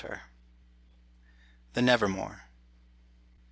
THE NEVERMORE.